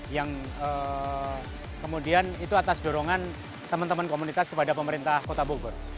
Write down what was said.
yang kemudian itu atas dorongan teman teman komunitas kepada pemerintah kota bogor